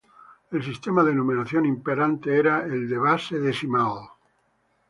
El sistema de numeración imperante era el de base decimal.